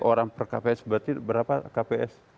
orang per kps berarti berapa kps